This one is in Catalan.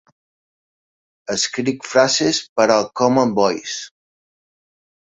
Escric frases per al Common Voice.